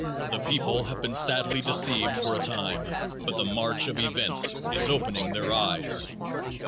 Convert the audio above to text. The people have been sadly deceived for a time, but the march of events is opening their eyes.